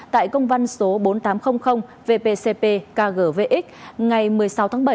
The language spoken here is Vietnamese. tại công văn số bốn nghìn tám trăm linh vpcp kgvx ngày một mươi sáu tháng bảy